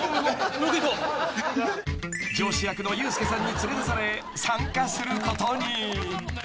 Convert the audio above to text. ［上司役のユースケさんに連れ出され参加することに］